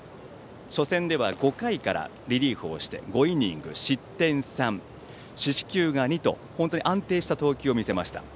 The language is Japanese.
初戦では５回からリリーフして５イニング、失点３、四死球２と本当に安定した投球を見せました。